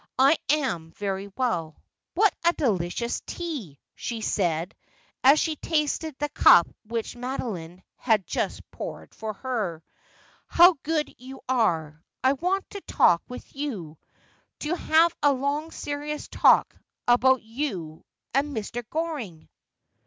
I am very well. What delicious tea !' she said, as she tasted the cup which Madoline had just poured out for her. 'How good you are ! I want to talk with you — to have a long serious talk — about you and — Mr. Goring.'